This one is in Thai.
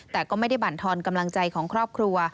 แต่ก็ไม่ได้บรรทอนกำลังใจของครอบครัว